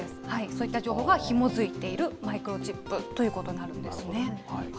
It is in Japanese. そういった情報がひも付いているマイクロチップということなんですね。